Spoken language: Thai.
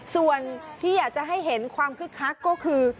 ส่วนที่อยากจะให้เห็นความคึกคักก็คือ